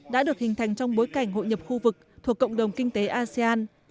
đã được hình thành trong bối cảnh hội nhập khu vực thuộc cộng đồng kinh tế asean